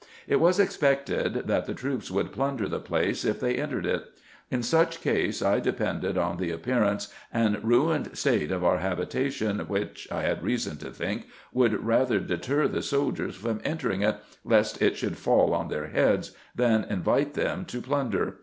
It was expected, that the troops would plunder the place, if they entered it : in such case, I depended on the appearance and ruined state of our habitation, which, I had reason to think, would rather deter the soldiers from entering it, lest it should fall on their heads, than invite them to plunder.